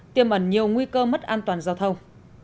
tiêm ẩn nhiều nguy cơ mất an toàn giao thông